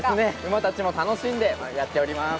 馬たちも楽しんでやっております。